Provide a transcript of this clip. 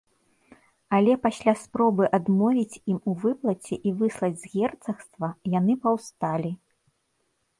Але пасля спробы адмовіць ім у выплаце і выслаць з герцагства, яны паўсталі.